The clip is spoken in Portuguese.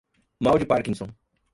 mal de parkinson